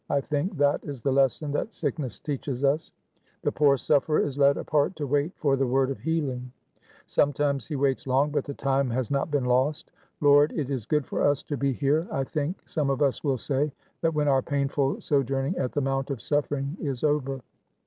I think that is the lesson that sickness teaches us; the poor sufferer is led apart to wait for the word of healing; sometimes he waits long, but the time has not been lost. 'Lord, it is good for us to be here;' I think some of us will say that when our painful sojourning at the Mount of Suffering is over.